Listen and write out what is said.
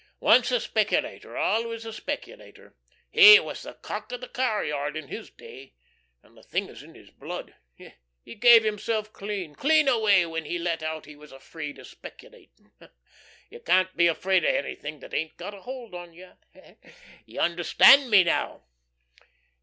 Once a speculator, always a speculator. He was the cock of the cow yard in his day, and the thing is in the blood. He gave himself clean, clean away when he let out he was afraid o' speculating. You can't be afraid of anything that ain't got a hold on you. Y' understand me now?"